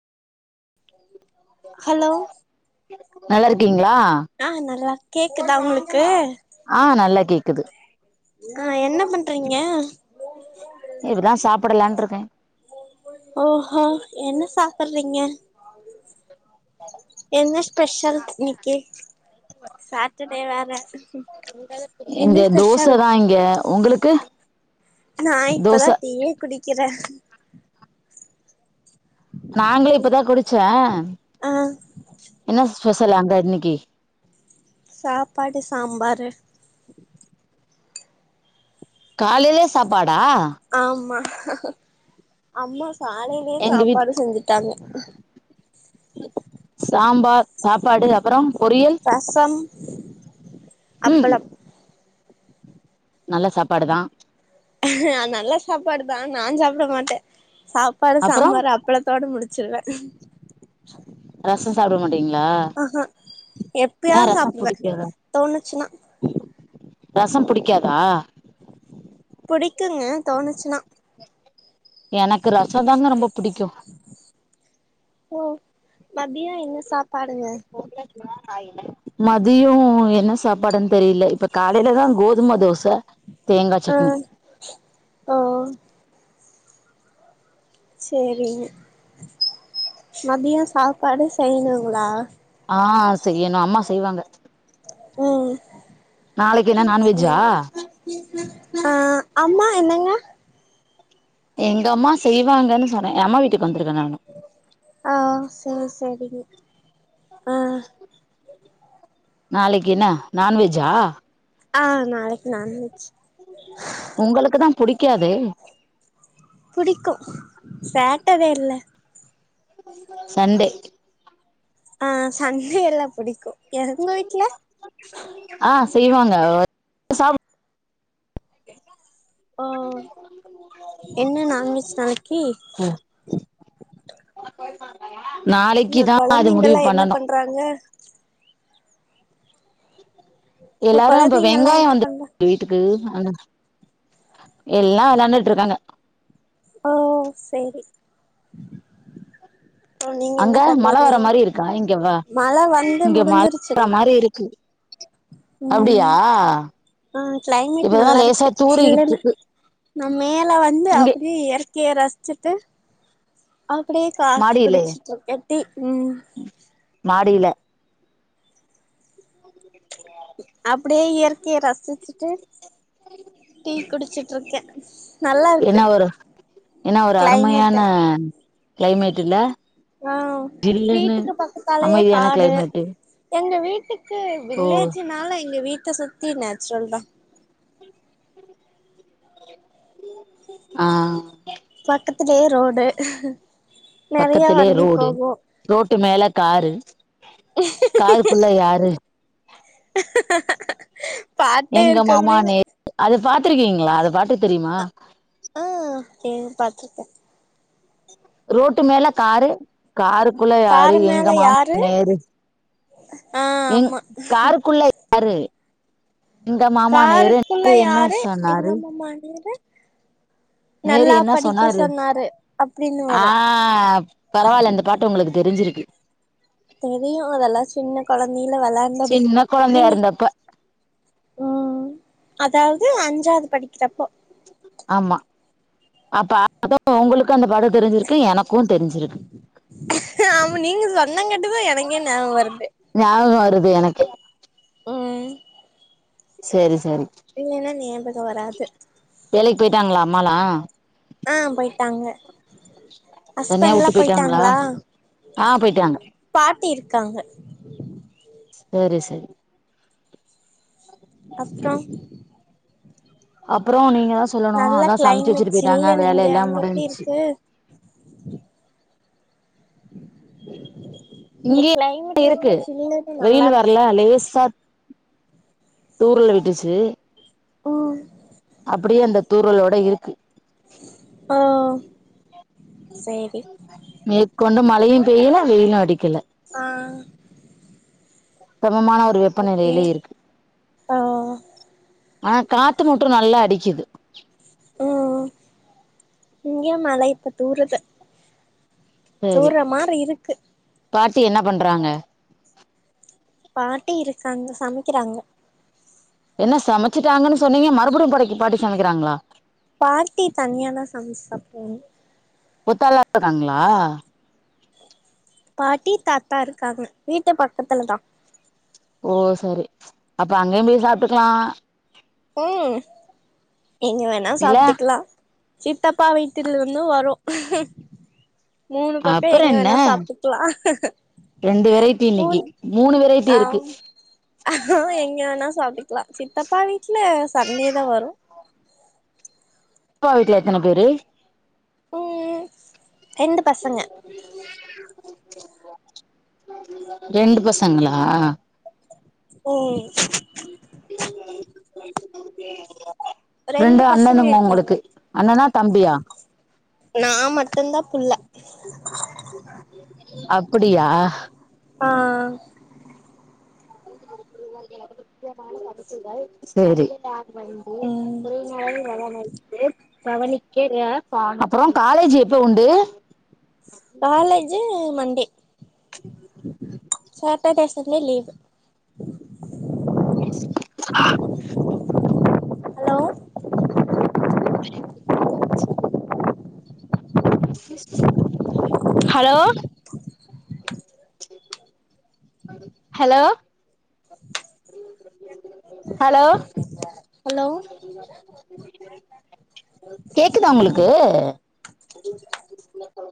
Hello நல்லா இருக்கீங்ளா ஆ நல்லா கேக்குதா உங்களுக்கு ஆ நல்ல கேக்குது. கா என்ன பண் இப்பதா சாப்டலான்ட்ருக்கே. ஓஹோ என்ன சாப்பறீங்க. என்ன ஸ்பெஷல் இன்னிக்கி. சாட்டர்டே வேற என்ன ஸ்பெஷல். எ உங்குளுக்கு நா இப்பதா டீயே குடிக்கிற. நாங்ளு இப்பதா குடிச்ச ஆ என்ன ஸ்பெஷல் அங்க இன்னிக்கி. சாப்பாடு சாம்பாரு. காலையிலே சாப்பாடா. ஆமா அம்மா காலையிலியே எங்க வீட் சாப்பாடு செஞ்சிட்டாங்க. சாம்பார் சாப்பாடு அப்றோ. ரசம் ம் அப்பளம். நல்ல சாப்பாடு தா. நல்ல சாப்பாடு தா நா சாப்ட மாட்ட சா ப்பாடு அப்புறோ சாம்பாரு அப்பளத்தோட முடிச்சிருவ. ரசோ சாப்ட மாட் டிங்ளா ஆஹா ஏ எப்பயாவது ரச சாப்டுவே புடிக்காத. தோணுச்சுன்னா ரசம் புடிக்காதா. புடிக்குங்க தோனுச்னா. எனக்கு ரச தாங்க ரொம்ப புடிக்கு. ஓ மதியோ என்ன சாப்பாடுங்க. ஃபோர் பிளஸ் மேல ஆயிலு மதியோ என்ன சாப்பாடுன் தெரியில இப்ப காலையிலதா கோதும தோச. தேங்கா அ சட்னி ஒ சேரிங்க மதியோ சாப்பாடு செய்னுங்ளா. ஆ செய்யனு அம்மா செய்வாங்க. ம் நாளைக்கு என்ன நான்வெஜ்ஜா ம் ஆ அம்மா என்னங்க எங்க அம்மா செய்வாங்கனு சொன்ன ஏ அம்மா வீட்டுக்கு வந்துருக்க நானு ஆ சேர் சேரிங்க அ. நாளைக்கு என்ன நான்வெஜ்ஜா ஆ நாளைக்கு நான்வெஜ் உங்களுக்கு தா புடிக்காதே புடிக்கு சாட்டடே இல்ல சண்டே அ சண்டே இல்லா புடிக்கு எ உங்க வீட் ஆ செய்வாங்கா சாப் ஓ என்ன நான்வெஜ் நாளைக்கி ம் நாளைக்கு தா அது முடிவு பண்ணணு. ப்றாங்க உங்க எல்லாரு அப்ப கொழந்தைங்கல்லா வெங்காய என்ன வந்து பண்றா வீட் டுக்கு எல்லா வெளயாண்டுட்ருக்காங்க. ஓ சேரி. சோ நீங்க என்ன அங்க மழ பண்றீங்க வர மாரி இருக்கா இங்க வ மழ வந்து இங்க மழ வர முடிஞ்சிருச்சுங் மாரி இருக்கு அப்டியா ம் ஆ கிளைமேட் இப்பதா லேசா நல்லாருக்கு தூறிக்கிட்டு சில்லுனு இருக்கு நா மேல வந்து இங்க அப்டியே இயற்கைய ரசிச்சிட்டு - அப்டியே காஃபி மாடியிலே குடிச்சிட்ருக்கே டீ ம் மாடியில அப்டியே இயற்கைய ரசிச்சிட்டு டீ குடிச்சுட்டுருக்கே நல்லாருக்கு ஒரு என்ன ஒரு அருமையான கிளைமேட்டு இல்ல அ ஜில்லுன்னு வீட்டுக்கு பக்கத்தாலயே அமைதியான காடு கிளைமேட்டு எங்க வீட்டுக்கு ஓ வில்லேஜ்னால எங்க வீட்ட சுத்தி நேச்சுரல் தா அ பக்கத்திலேயே ரோடு நெறைய பக்கத்திலே வண்டி ரோடு போகொ ரோட்டு மேல காரு காரு குள்ள யாரு பாட்டே எங்க இருக்கு மாமா அப்டின்னு நே அது பாத்துருக்கீங்களா அது பாட்டு தெரியுமா அ சே பாத்துருக்கே ரோட்டு மேல காரு காருக்குள்ள யாரு காரு மேல எங்க மாமா யாரு நேரு ஆ எங் ஆமா காருக்குள்ள யாரு எங்க மாமா நேரு காருக்குள்ள நேரு என்ன யாரு எங்க சொன்னாரு மாமா நேரு நேரு நல்லா என்ன படிக்க சொன்னாரு அப்டின்னு வரு ஆ பரவால்ல இந்த பாட்டு உங்களுக்கு தெரிஞ்சிருக்கு தெரியு அதெல்லா சின்ன கொழந்தில வெளாண்டது சின்ன கொழந்தையா நீங்க இருந்தப்ப ம் அதாவது அஞ்சாவது படிக்கிறப்போ ஆமா அப்பா ஆதோ உங்களுக்கு அந்த பட தெரிஞ்சிருக்கு எனக்கு தெரிஞ்சிருக்கு ஆமா நீங்க சொன்னங்கட்டுதா எனக்கே ஞாபகோ வருது ஞாபகோ வருது எனக்கு ம் சேரி சேரி இல்லன்னா ஞாபக வராது வேலைக்கு போயிட்டாங்களா அம்மாலா அ போயிட்டாங்க தனியா ஹஸ்பண்ட்லா வுட்டு போயிட்டாங்களா ஆ போயிட்டாங்க பாட்டி இருக்காங்க சேரி செரி அப்றோ அப்புறோ நீங்க தா சொல்லணு நல்ல அதா சமைச்சு வச்சுட்டு கிளைமேட் போயிட்டாங்க சில்லுனு இங்க வேலையெல்லா அங்க எப்டி முடிஞ்ச்சு இருக்கு இங்க இங்கேயே கிளைமேட் ரொம்ப இருக்கு சில்லுனு நல்லா வெயில் இருக்கு வரல லேசா தூறல்ல விட்டுச்சு ம் அப்டியே அந்த தூறலோட இருக்கு ஆ சேரி மேற்கொண்டு மழயு பெய்யல வெயிலு அடிக்கல ஆ சமமான ஒரு ஓகே வெப்பநிலைல இருக்கு ஆ அ காத்து மட்டு நல்லா அடிக்கிது ம் இங்க மழ இப்ப தூறுது சேரி தூர்ற மாரி இருக்கு பாட்டி என்ன பண்றாங்க பாட்டி இருக்காங்க சமைக்கிறாங்க என்ன சமச்சிட்டாங்கனு சொன்னீங்க மறுபடியு படைக்கு பாட்டி சமைக்கிறாங்களா பாட்டி தனியா தா சமச்சு சாப்டுவாங்க ஒத்தாலா இருக்காங்ளா பாட்டி தாத்தா இருக்காங்க வீட்டு பக்கத்துல தான் ஓ செரி அப்ப அங்கயு போய் சாப்ட்டுக்கலா ம் எங்க வேணா இல்ல சாப்ட்டுக்கலா சித்தப்பா வீட்டுல இருந்து வரு மூணு பக்கம் அப்புறம் எங்க என்ன வேணா சாப்ட்டுக்கலா ரெண்டு வெரைட்டி இன்னைக்கு மூணு மூணு வெரைட்டி இருக்கு ஆம் எங்க வேணா சாப்ட்டுக்கலா சித்தப்பா வீட்ல சண்டே தா வரு சித்தப்பா வீட்ல எத்தன பேரு ம் ரெண்டு பசங்க ரெண்டு பசங்களா ம் ரெண்டு பசங்க அண்ணனுங்களா இருக்காங்க உங்ளுக்கு அண்ணனா தம்பியா நா மட்டும் தா புள்ள அப்படியா ஆ செரி ம் வந்து [unintelligible] அப்றோ காலேஜ் எப்போ உண்டு college Monday Saturday Sunday leave [unintelligible] hello [unintelligible] hello hello hello hello கேக்குதா உங்களுக்கு